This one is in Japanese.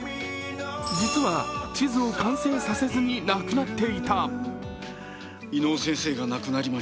実は地図を完成させずに亡くなっていた。